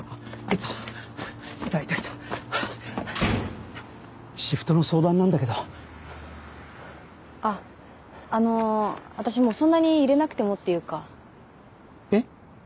いたいたいたいたシフトの相談なんだけどあっあの私もうそんなに入れなくてもっていうかえっ？